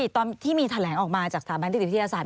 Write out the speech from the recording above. ตอนที่มีแถลงออกมาจากสถาบันนิติวิทยาศาส